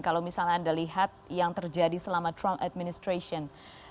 kalau misalnya anda lihat yang terjadi selama trump administration